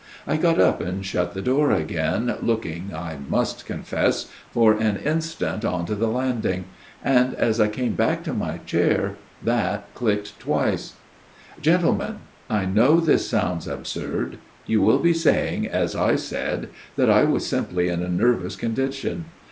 I got up and shut the door again, looking, I must confess, for an instant on to the landing ; and as I came back to my chair, that clicked twice. " Gentlemen, I know this sounds absurd. You will be saying, as I said, that I was simply in a nervous condition.